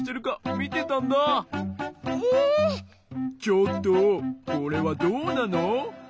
ちょっとこれはどうなの？